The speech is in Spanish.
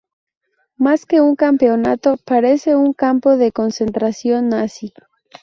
Más que un campamento, parece un campo de concentración nazi.